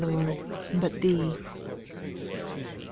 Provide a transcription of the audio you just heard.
Lord, but Thee. 2.